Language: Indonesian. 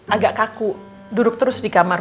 agak kaku duduk terus di kamar